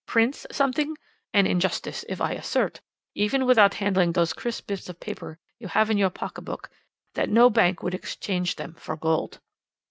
Prince something an injustice if I assert, even without handling those crisp bits of paper you have in your pocket book, that no bank would exchange them for gold.'